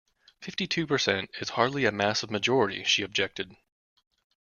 Fifty-two percent is hardly a massive majority, she objected